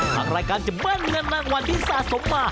ทางรายการจะเบิ้ลเงินรางวัลที่สะสมมา